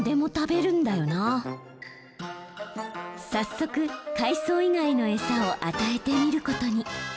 早速海藻以外の餌を与えてみることに。